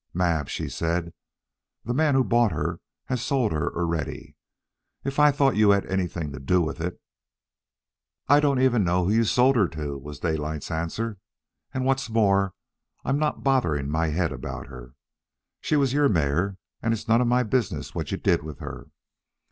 "Mab," she said. "The man who bought her has sold her already. If I thought you had anything to do with it " "I don't even know who you sold her to," was Daylight's answer. "And what's more, I'm not bothering my head about her. She was your mare, and it's none of my business what you did with her.